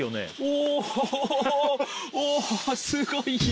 おすごい！